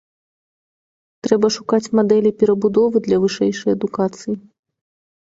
Трэба шукаць мадэлі перабудовы для вышэйшай адукацыі.